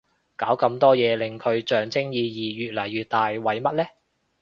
搞咁多嘢令佢象徵意義越嚟越大為乜呢